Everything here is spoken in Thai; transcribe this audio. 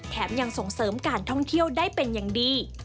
ยังส่งเสริมการท่องเที่ยวได้เป็นอย่างดี